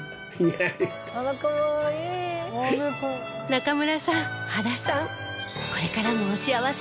中村さん原さん